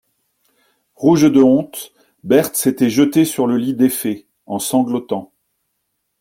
Rouge de honte, Berthe s'était jetée sur le lit défait, en sanglotant.